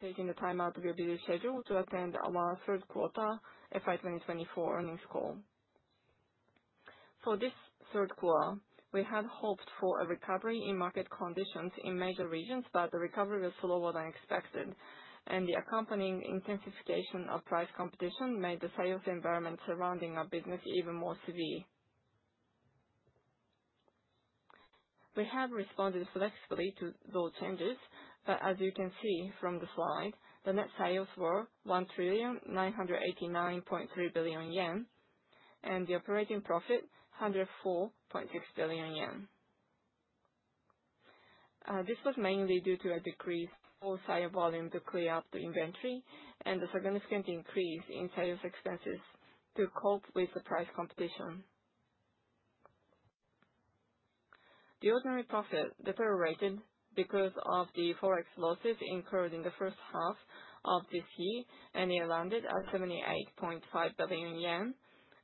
Taking the time out of your busy schedule to attend our third quarter FY 2024 earnings call. For this third quarter, we had hoped for a recovery in market conditions in major regions, but the recovery was slower than expected, and the accompanying intensification of price competition made the sales environment surrounding our business even more severe. We have responded flexibly to those changes, but as you can see from the slide, the net sales were ¥1,989.3 billion and the operating profit ¥104.6 billion. This was mainly due to a decrease in sales volume to clear up the inventory and a significant increase in sales expenses to cope with the price competition. The ordinary profit deteriorated because of the forex losses incurred in the first half of this year, and it landed at ¥78.5 billion,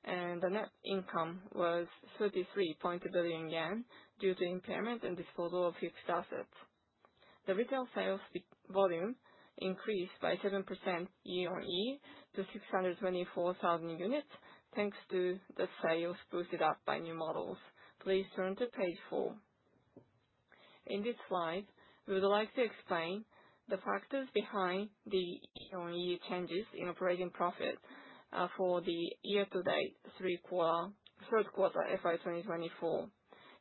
and the net income was ¥33.2 billion due to impairment and disposal of fixed assets. The retail sales volume increased by 7% year on year to 624,000 units, thanks to the sales boosted up by new models. Please turn to page 4. In this slide, we would like to explain the factors behind the year-on-year changes in operating profit for the year-to-date third quarter FY 2024.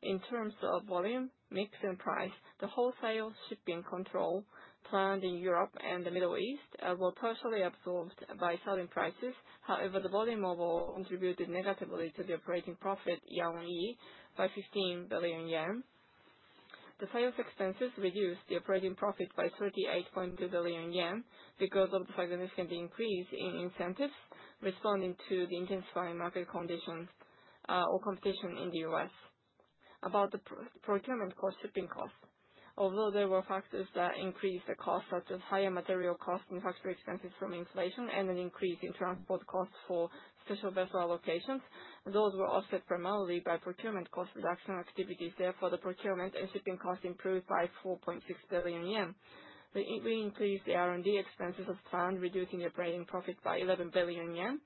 In terms of volume, mix, and price, the wholesale shipping control planned in Europe and the Middle East were partially absorbed by selling prices. However, the volume overall contributed negatively to the operating profit year on year by 15 billion yen. The sales expenses reduced the operating profit by 38.2 billion yen because of the significant increase in incentives responding to the intensifying market conditions or competition in the US. About the procurement costs, shipping costs: although there were factors that increased the cost, such as higher material costs and factory expenses from inflation and an increase in transport costs for special vessel allocations, those were offset primarily by procurement cost reduction activities. Therefore, the procurement and shipping costs improved by ¥4.6 billion. We increased the R&D expenses as planned, reducing the operating profit by ¥11 billion.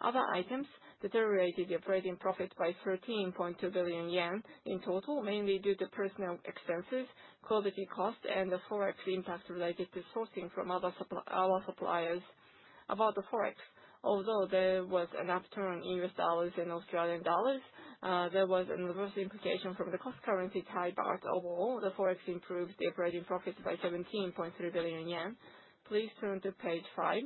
Other items deteriorated the operating profit by ¥13.2 billion in total, mainly due to personnel expenses, quality costs, and the forex impact related to sourcing from our suppliers. About the forex: although there was an upturn in US dollars and Australian dollars, there was an adverse implication from the cost currency Thai baht. But overall, the forex improved the operating profit by ¥17.3 billion. Please turn to page 5.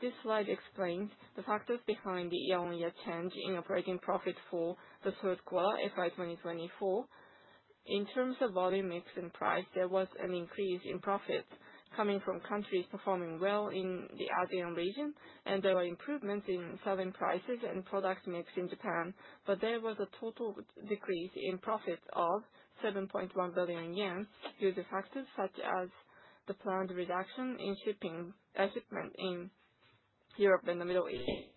This slide explains the factors behind the year-on-year change in operating profit for the third quarter FY 2024. In terms of volume, mix, and price, there was an increase in profits coming from countries performing well in the ASEAN region, and there were improvements in selling prices and product mix in Japan, but there was a total decrease in profit of ¥7.1 billion due to factors such as the planned reduction in shipment in Europe and the Middle East.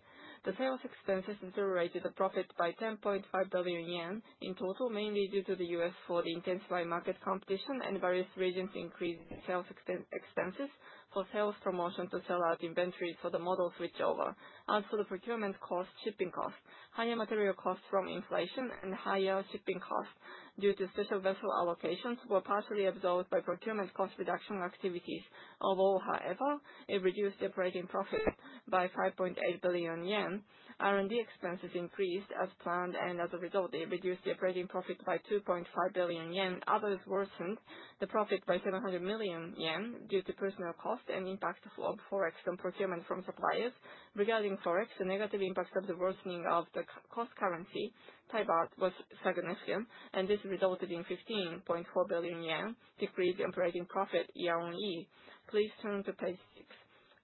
The sales expenses deteriorated the profit by ¥10.5 billion in total, mainly due to the U.S. for the intensifying market competition and various regions' increased sales expenses for sales promotion to sell out inventory for the model switchover. As for the procurement costs, shipping costs, higher material costs from inflation, and higher shipping costs due to special vessel allocations were partially absorbed by procurement cost reduction activities. Although, however, it reduced the operating profit by 5.8 billion yen. R&D expenses increased as planned, and as a result, it reduced the operating profit by 2.5 billion yen. Others worsened the profit by 700 million yen due to personnel costs and impact of forex from procurement from suppliers. Regarding forex, the negative impact of the worsening of the cost currency Thai baht was significant, and this resulted in 15.4 billion yen decrease in operating profit year on year. Please turn to page 6.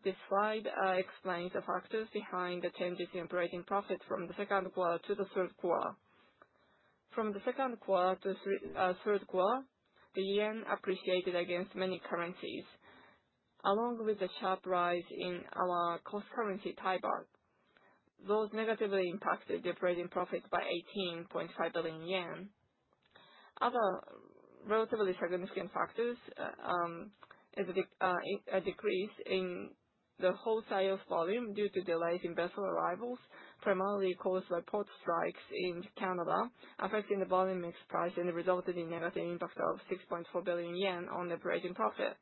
This slide explains the factors behind the changes in operating profit from the second quarter to the third quarter. From the second quarter to the third quarter, the yen appreciated against many currencies, along with a sharp rise in our cost currency Thai baht. Those negatively impacted the operating profit by 18.5 billion yen. Other relatively significant factors are a decrease in the wholesale volume due to delays in vessel arrivals, primarily caused by port strikes in Canada, affecting the volume mix price, and resulted in a negative impact of 6.4 billion yen on the operating profit.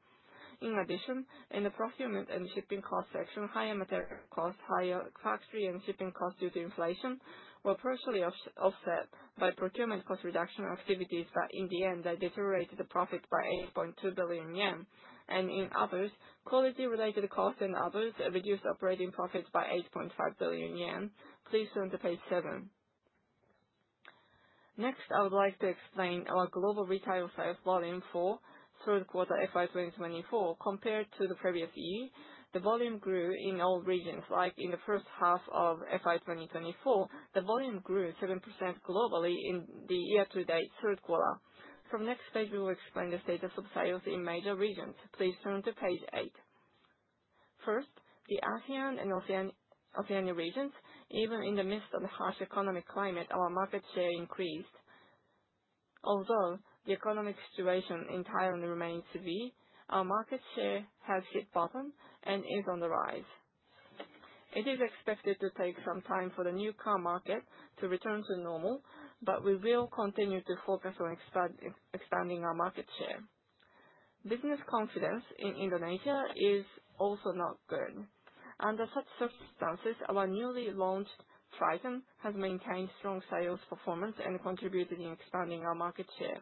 In addition, in the procurement and shipping costs section, higher material costs, higher factory and shipping costs due to inflation were partially offset by procurement cost reduction activities, but in the end, they deteriorated the profit by 8.2 billion yen, and in others, quality-related costs and others reduced operating profits by 8.5 billion yen. Please turn to page 7. Next, I would like to explain our global retail sales volume for the third quarter FY 2024. Compared to the previous year, the volume grew in all regions. Like in the first half of FY 2024, the volume grew 7% globally in the year-to-date third quarter. From the next page, we will explain the status of sales in major regions. Please turn to page 8. First, the ASEAN and Oceania regions, even in the midst of the harsh economic climate, our market share increased. Although the economic situation in Thailand remains severe, our market share has hit bottom and is on the rise. It is expected to take some time for the new car market to return to normal, but we will continue to focus on expanding our market share. Business confidence in Indonesia is also not good. Under such circumstances, our newly launched Triton has maintained strong sales performance and contributed in expanding our market share.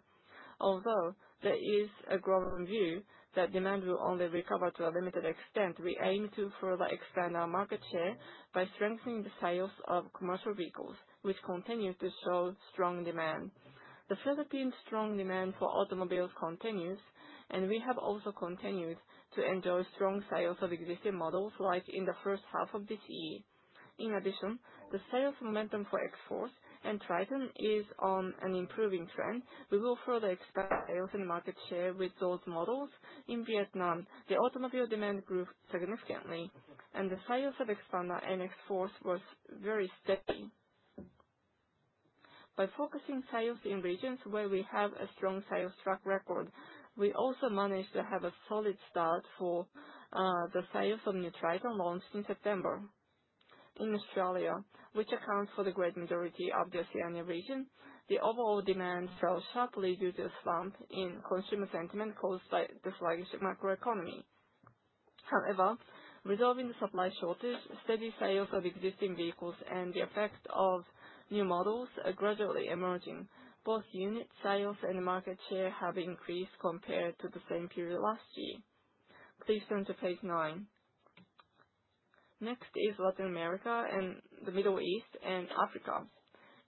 Although there is a growing view that demand will only recover to a limited extent, we aim to further expand our market share by strengthening the sales of commercial vehicles, which continue to show strong demand. The Philippines' strong demand for automobiles continues, and we have also continued to enjoy strong sales of existing models, like in the first half of this year. In addition, the sales momentum for Xforce and Triton is on an improving trend. We will further expand sales and market share with those models. In Vietnam, the automobile demand grew significantly, and the sales of Xpander and Xforce were very steady. By focusing sales in regions where we have a strong sales track record, we also managed to have a solid start for the sales of new Triton launched in September. In Australia, which accounts for the great majority of the Oceania region, the overall demand fell sharply due to a slump in consumer sentiment caused by the sluggish macroeconomy. However, resolving the supply shortage, steady sales of existing vehicles, and the effect of new models gradually emerging, both unit sales and market share have increased compared to the same period last year. Please turn to page 9. Next is Latin America, the Middle East, and Africa.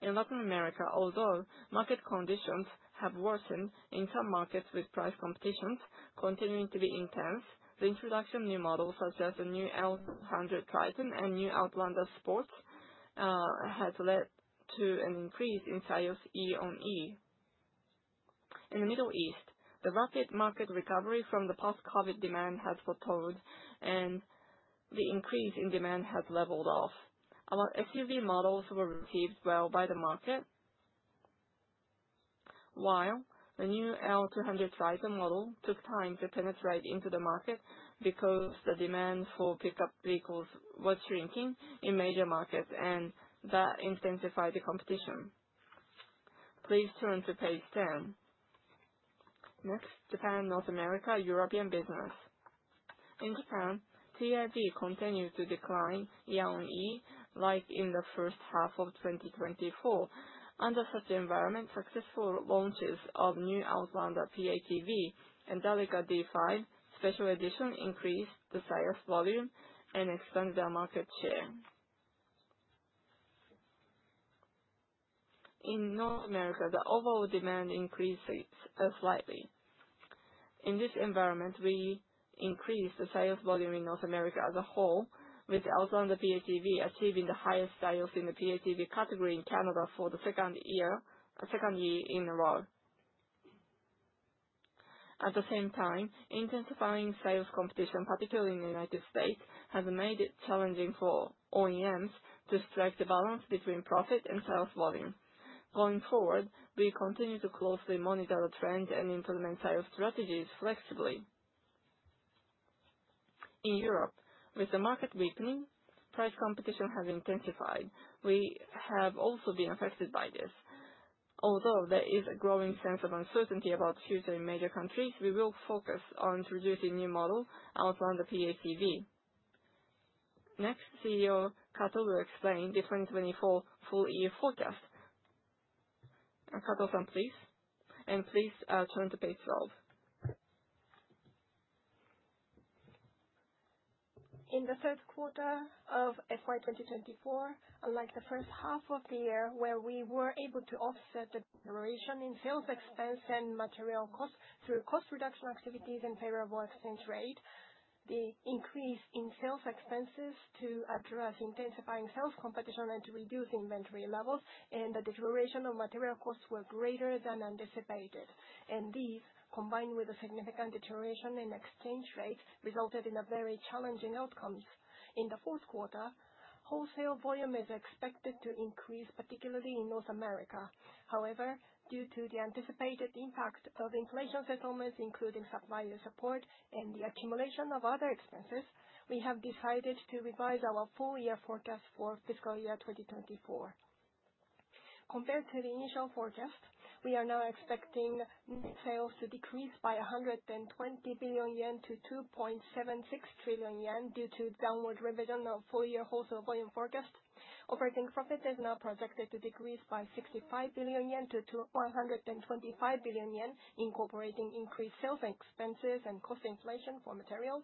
In Latin America, although market conditions have worsened in some markets with price competition continuing to be intense, the introduction of new models such as the new L200 Triton and new Outlander Sport has led to an increase in sales year on year. In the Middle East, the rapid market recovery from the post-COVID demand has stalled, and the increase in demand has leveled off. Our SUV models were received well by the market, while the new L200 Triton model took time to penetrate into the market because the demand for pickup vehicles was shrinking in major markets, and that intensified the competition. Please turn to page 10. Next, Japan, North America, and European business. In Japan, TIV continued to decline year on year, like in the first half of 2024. Under such an environment, successful launches of new Outlander PHEV and Delica D:5 Special Edition increased the sales volume and expanded our market share. In North America, the overall demand increased slightly. In this environment, we increased the sales volume in North America as a whole, with Outlander PHEV achieving the highest sales in the PHEV category in Canada for the second year in a row. At the same time, intensifying sales competition, particularly in the United States, has made it challenging for OEMs to strike the balance between profit and sales volume. Going forward, we continue to closely monitor the trend and implement sales strategies flexibly. In Europe, with the market weakening, price competition has intensified. We have also been affected by this. Although there is a growing sense of uncertainty about future in major countries, we will focus on introducing new model Outlander PHEV. Next, CEO Kato will explain the 2024 full year forecast. Kato, please, and please turn to page 12. In the third quarter of FY 2024, unlike the first half of the year where we were able to offset the deterioration in sales expense and material costs through cost reduction activities and favorable exchange rate, the increase in sales expenses to address intensifying sales competition and to reduce inventory levels and the deterioration of material costs were greater than anticipated. And these, combined with a significant deterioration in exchange rates, resulted in very challenging outcomes. In the fourth quarter, wholesale volume is expected to increase, particularly in North America. However, due to the anticipated impact of inflation settlements, including supplier support and the accumulation of other expenses, we have decided to revise our full year forecast for fiscal year 2024. Compared to the initial forecast, we are now expecting net sales to decrease by ¥120 billion to ¥2.76 trillion due to downward revision of full year wholesale volume forecast. Operating profit is now projected to decrease by ¥65 billion to ¥125 billion, incorporating increased sales expenses and cost inflation for materials.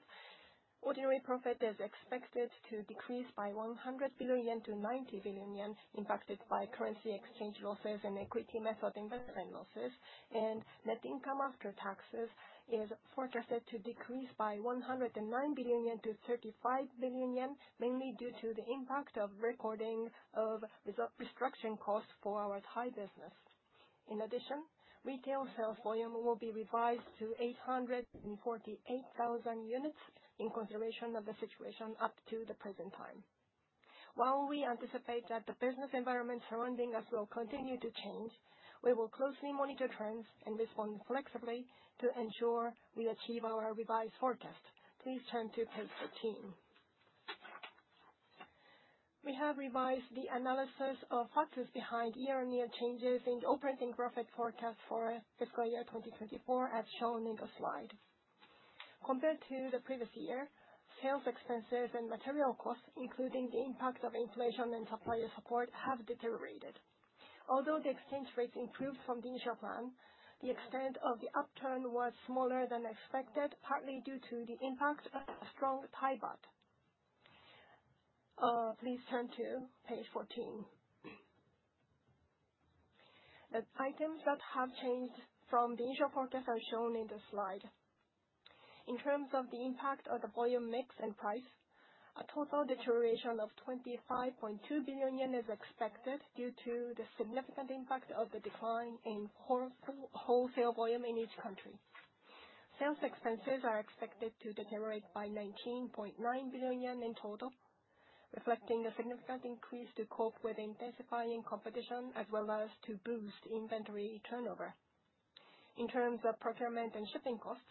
Ordinary profit is expected to decrease by ¥100 billion to ¥90 billion, impacted by currency exchange losses and equity method investment losses, and net income after taxes is forecasted to decrease by ¥109 billion to ¥35 billion, mainly due to the impact of recording of restructuring costs for our Thai business. In addition, retail sales volume will be revised to 848,000 units in consideration of the situation up to the present time. While we anticipate that the business environment surrounding us will continue to change, we will closely monitor trends and respond flexibly to ensure we achieve our revised forecast. Please turn to page 13. We have revised the analysis of factors behind year-on-year changes in the operating profit forecast for fiscal year 2024, as shown in the slide. Compared to the previous year, sales expenses and material costs, including the impact of inflation and supplier support, have deteriorated. Although the exchange rates improved from the initial plan, the extent of the upturn was smaller than expected, partly due to the impact of strong Thai baht. Please turn to page 14. The items that have changed from the initial forecast are shown in the slide. In terms of the impact of the volume mix and price, a total deterioration of 25.2 billion yen is expected due to the significant impact of the decline in wholesale volume in each country. Sales expenses are expected to deteriorate by 19.9 billion yen in total, reflecting a significant increase to cope with intensifying competition as well as to boost inventory turnover. In terms of procurement and shipping costs,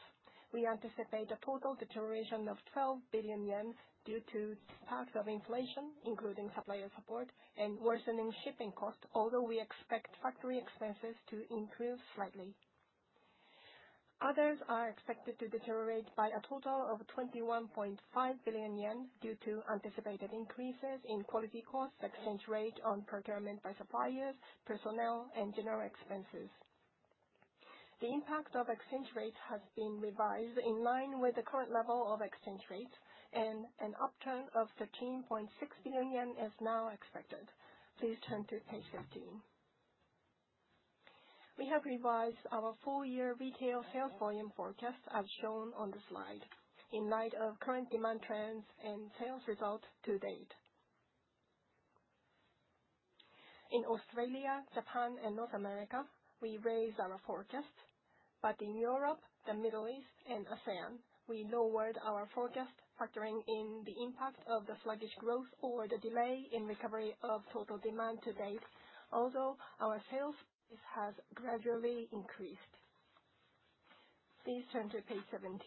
we anticipate a total deterioration of ¥12 billion due to the impact of inflation, including supplier support and worsening shipping costs, although we expect factory expenses to improve slightly. Others are expected to deteriorate by a total of ¥21.5 billion due to anticipated increases in quality costs, exchange rate on procurement by suppliers, personnel, and general expenses. The impact of exchange rates has been revised in line with the current level of exchange rates, and an upturn of ¥13.6 billion is now expected. Please turn to page 15. We have revised our full year retail sales volume forecast, as shown on the slide, in light of current demand trends and sales results to date. In Australia, Japan, and North America, we raised our forecast, but in Europe, the Middle East, and ASEAN, we lowered our forecast, factoring in the impact of the sluggish growth or the delay in recovery of total demand to date, although our sales base has gradually increased. Please turn to page 17.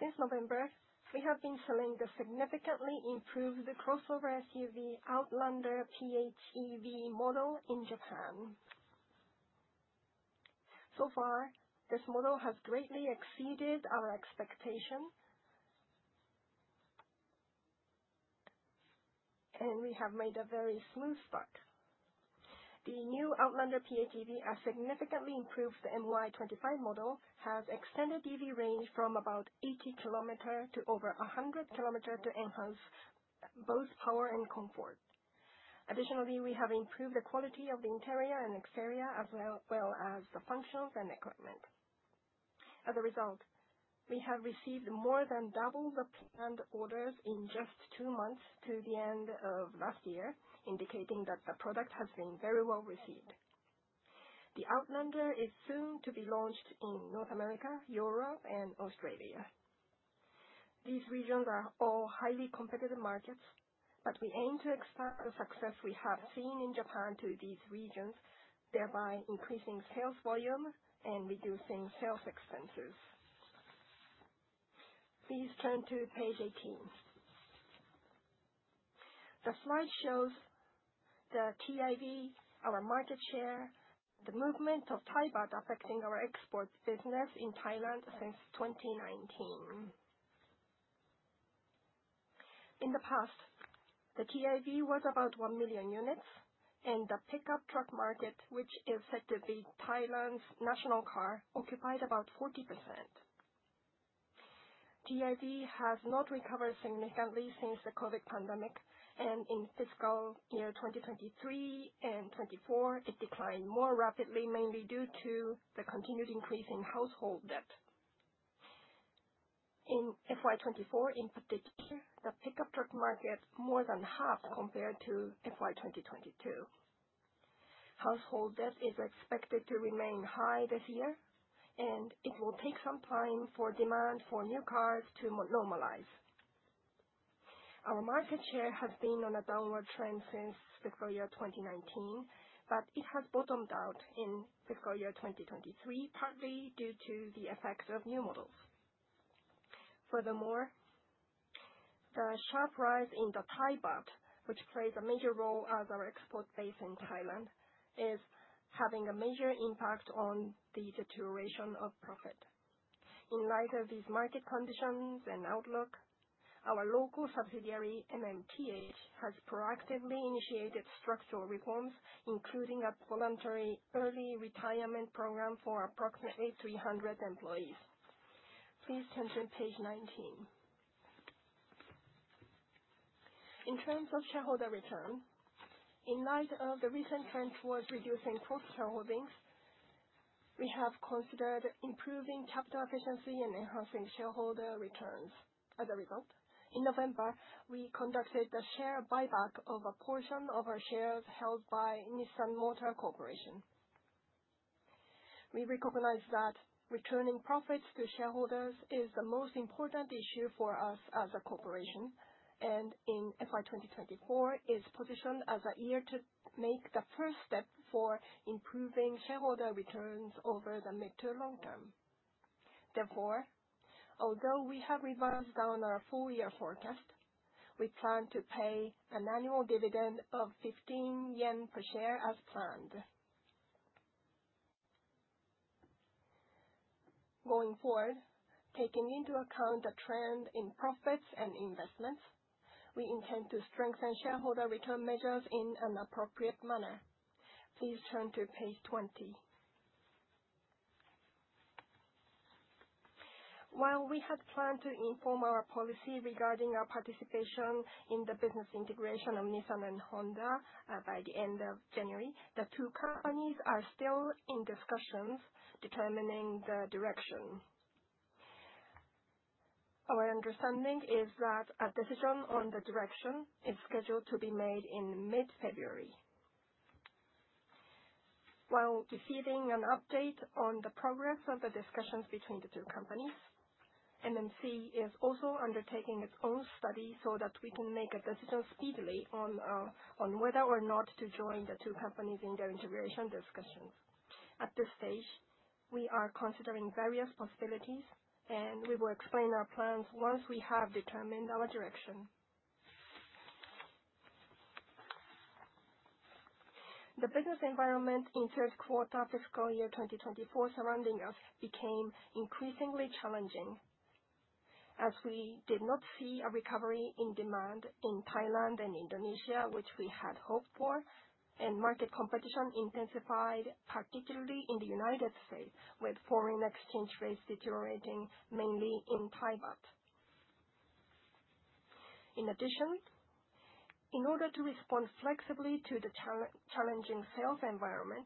Since November, we have been selling the significantly improved crossover SUV Outlander PHEV model in Japan. So far, this model has greatly exceeded our expectation, and we have made a very smooth start. The new Outlander PHEV has significantly improved the MY25 model, has extended EV range from about 80 km to over 100 km to enhance both power and comfort. Additionally, we have improved the quality of the interior and exterior, as well as the functions and equipment. As a result, we have received more than double the planned orders in just two months to the end of last year, indicating that the product has been very well received. The Outlander is soon to be launched in North America, Europe, and Australia. These regions are all highly competitive markets, but we aim to extend the success we have seen in Japan to these regions, thereby increasing sales volume and reducing sales expenses. Please turn to page 18. The slide shows the TIV, our market share, the movement of Thai Baht affecting our export business in Thailand since 2019. In the past, the TIV was about 1 million units, and the pickup truck market, which is said to be Thailand's national car, occupied about 40%. TIV has not recovered significantly since the COVID pandemic, and in fiscal year 2023 and 2024, it declined more rapidly, mainly due to the continued increase in household debt. In FY 2024, in particular, the pickup truck market more than halved compared to FY 2022. Household debt is expected to remain high this year, and it will take some time for demand for new cars to normalize. Our market share has been on a downward trend since fiscal year 2019, but it has bottomed out in fiscal year 2023, partly due to the effects of new models. Furthermore, the sharp rise in the Thai baht, which plays a major role as our export base in Thailand, is having a major impact on the deterioration of profit. In light of these market conditions and outlook, our local subsidiary, MMTH, has proactively initiated structural reforms, including a voluntary early retirement program for approximately 300 employees. Please turn to page 19. In terms of shareholder return, in light of the recent trend towards reducing cross-shareholdings, we have considered improving capital efficiency and enhancing shareholder returns. As a result, in November, we conducted the share buyback of a portion of our shares held by Nissan Motor Corporation. We recognize that returning profits to shareholders is the most important issue for us as a corporation, and in FY 2024, it's positioned as a year to make the first step for improving shareholder returns over the mid to long term. Therefore, although we have revised down our full year forecast, we plan to pay an annual dividend of ¥15 per share as planned. Going forward, taking into account the trend in profits and investments, we intend to strengthen shareholder return measures in an appropriate manner. Please turn to page 20. While we had planned to inform our policy regarding our participation in the business integration of Nissan and Honda by the end of January, the two companies are still in discussions determining the direction. Our understanding is that a decision on the direction is scheduled to be made in mid-February. While receiving an update on the progress of the discussions between the two companies, MMC is also undertaking its own study so that we can make a decision speedily on whether or not to join the two companies in their integration discussions. At this stage, we are considering various possibilities, and we will explain our plans once we have determined our direction. The business environment in third quarter fiscal year 2024 surrounding us became increasingly challenging as we did not see a recovery in demand in Thailand and Indonesia, which we had hoped for, and market competition intensified, particularly in the United States, with foreign exchange rates deteriorating mainly in Thai baht. In addition, in order to respond flexibly to the challenging sales environment,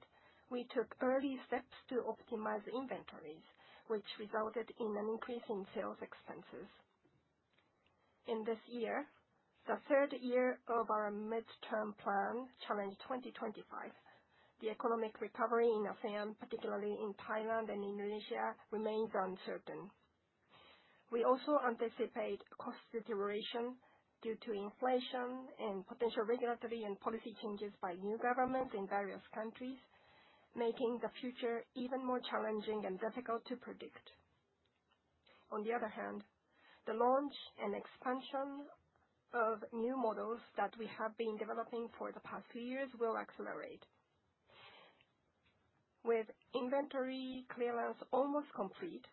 we took early steps to optimize inventories, which resulted in an increase in sales expenses. In this year, the third year of our midterm plan, Challenge 2025, the economic recovery in ASEAN, particularly in Thailand and Indonesia, remains uncertain. We also anticipate cost deterioration due to inflation and potential regulatory and policy changes by new governments in various countries, making the future even more challenging and difficult to predict. On the other hand, the launch and expansion of new models that we have been developing for the past few years will accelerate. With inventory clearance almost complete,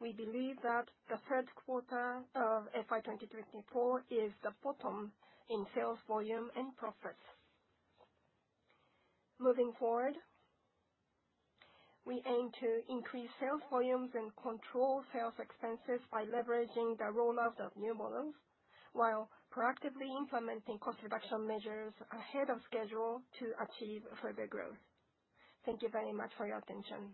we believe that the third quarter of FY 2024 is the bottom in sales volume and profits. Moving forward, we aim to increase sales volumes and control sales expenses by leveraging the rollout of new models while proactively implementing cost reduction measures ahead of schedule to achieve further growth. Thank you very much for your attention.